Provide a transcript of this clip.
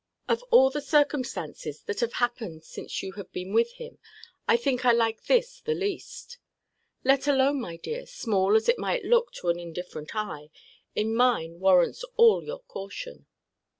Of all the circumstances that have happened since you have been with him, I think I like this the least: this alone, my dear, small as it might look to an indifferent eye, in mine warrants all your caution.